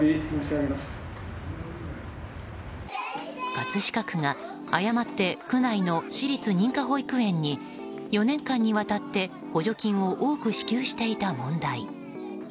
葛飾区が誤って区内の私立認可保育園に４年間にわたって補助金を多く支給していた問題。